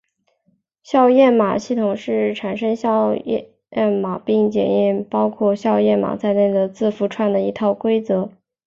校验码系统是产生校验码并校验包括校验码在内的字符串的一套规则。